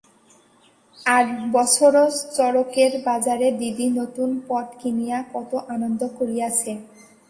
আর-বছরও চড়কের বাজারে দিদি নতুন পট কিনিয়া কত আনন্দ করিয়াছে।